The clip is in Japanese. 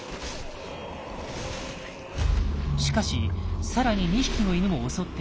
しかし更に２匹の犬も襲ってくる。